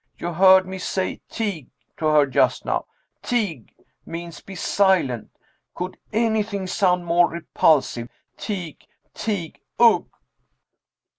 You heard me say Tig to her just now. Tig means 'be silent.' Could anything sound more repulsive? _Tig! Tig! Ugh!